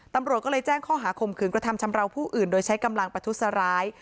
ตำรวจก็เลยแจ้งข้อหาข่มขืนกระทำชำราวผู้อื่นโดยใช้กำลังประทุษร้าย